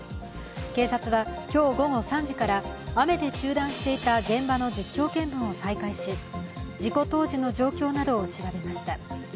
警察は今日午後３時から雨で中断していた現場の実況見分を再開し事故当時の状況などを調べました。